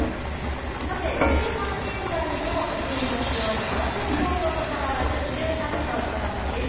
さて６時半現在の都心の気温は番組冒頭と変わらず１８度ちょうどです。